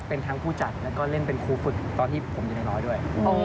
เป็นทั้งผู้จัดแล้วก็เล่นเป็นครูฝึกตอนที่ผมอยู่ในร้อยด้วย